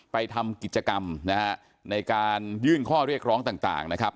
ทำกิจกรรมนะฮะในการยื่นข้อเรียกร้องต่างนะครับ